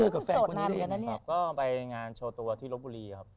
ก็ไปงานโชว์ตัวที่รบบุรีครับ